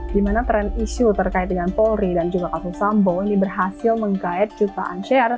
dimana tren isu terkait dengan polri dan juga kasus sambo ini berhasil menggait jutaan share